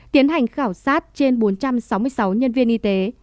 tiến hành khảo sát trên bốn trăm sáu mươi sáu nhân viên y tế